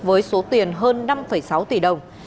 với số tiền hơn năm sáu tỷ đồng